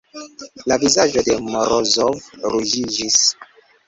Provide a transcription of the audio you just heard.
La vizaĝo de Morozov ruĝiĝis.